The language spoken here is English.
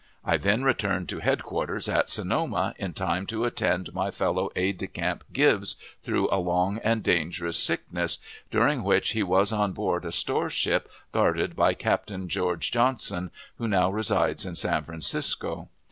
I then returned to headquarters at Sonoma, in time to attend my fellow aide de camp Gibbs through a long and dangerous sickness, during which he was on board a store ship, guarded by Captain George Johnson, who now resides in San Francisco.